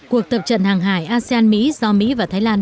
cuộc tập trận hàng hải asean mỹ do mỹ và thái lan